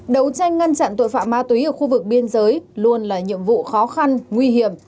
đấu tranh ngăn chặn tội phạm ma túy ở khu vực biên giới luôn là nhiệm vụ khó khăn nguy hiểm